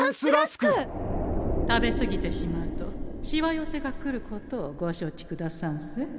食べすぎてしまうとしわ寄せがくることをご承知くださんせ。